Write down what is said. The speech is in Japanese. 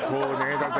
だから。